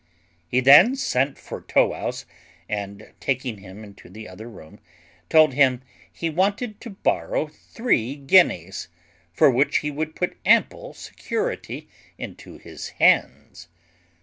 He then sent for Tow wouse, and, taking him into another room, told him "he wanted to borrow three guineas, for which he would put ample security into his hands."